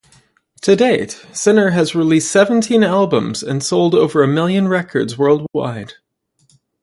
To date Sinner has released seventeen albums and sold over a million records worldwide.